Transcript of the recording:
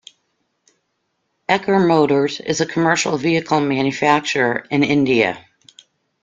Eicher Motors is a commercial vehicle manufacturer in India.